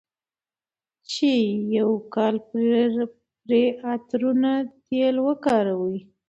چې يو کال پرې عطرونه، تېل وکاروي،